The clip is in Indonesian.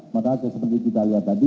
maka seperti kita lihat tadi